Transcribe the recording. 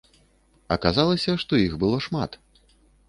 Аказалася, што іх было шмат.